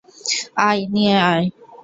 আয়, নিয়ে আয়।